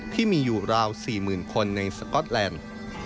ที่มีอยู่ราว๔๐๐๐คนในสก๊อตแลนด์